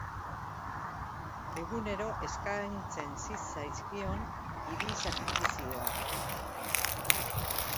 Egunero eskaintzen zitzaizkion idi sakrifizioak.